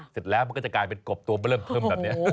เสร็จแล้วมันก็จะกลายเป็นกบตัวมาเริ่มเพิ่มแบบนี้